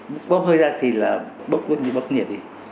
bốc hơi ra thì là bốc nhiệt đi